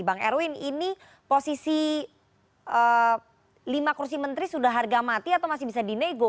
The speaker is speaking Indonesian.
bang erwin ini posisi lima kursi menteri sudah harga mati atau masih bisa dinego